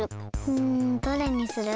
うんどれにする？